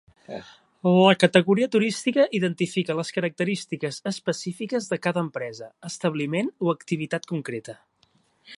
La categoria turística identifica les característiques específiques de cada empresa, establiment o activitat concreta.